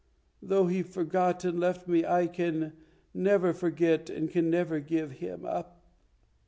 Though he forgot and left me, I can never forget and can never give him up.